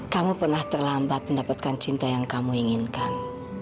kamu pernah terlambat mendapatkan cinta yang kamu inginkan